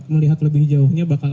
melihat lebih jauhnya bakal